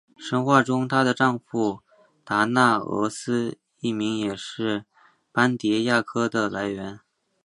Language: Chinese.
神话中她的丈夫达那俄斯一名也是斑蝶亚科的来源。